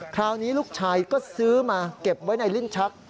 คราวนี้ลูกชายก็ซื้อมาเก็บไว้ในลิ้นชัก